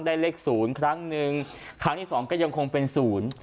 ได้เลขศูนย์ครั้งหนึ่งครั้งที่สองก็ยังคงเป็นศูนย์